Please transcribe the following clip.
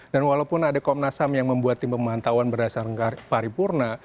dan walaupun ada komnas ham yang membuat tim pemahantauan berdasarkan paripurna